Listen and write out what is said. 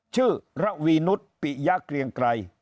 ระวีนุษย์ปิยะเกรียงไกร